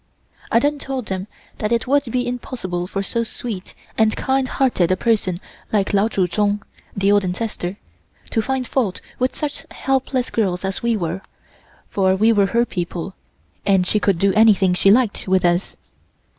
I then told them that it would be impossible for so sweet and kind hearted a person like Lao Tsu Tsung (the old ancestor) to find fault with such helpless girls as we were, for we were her people, and she could do anything she liked with us.